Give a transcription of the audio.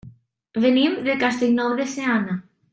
Venim de Castellnou de Seana.